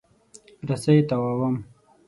رسۍ تاووم.